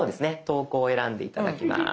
投稿を選んで頂きます。